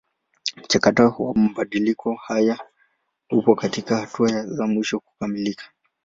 Mchakato wa mabadiliko haya upo katika hatua za mwisho kukamilika.